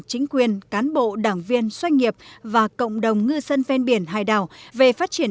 chính quyền cán bộ đảng viên doanh nghiệp và cộng đồng ngư dân ven biển hải đảo về phát triển